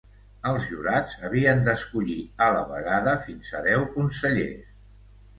Els jurats havien d'escollir a la vegada fins a deu consellers.